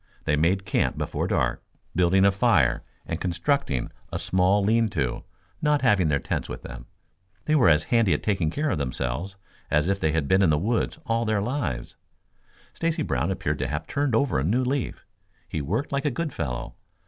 They made camp before dark, building a fire and constructing a small lean to, not having their tents with them. They were as handy at taking care of themselves as if they had been in the woods all of their lives. Stacy Brown appeared to have turned over a new leaf. He worked like a good fellow.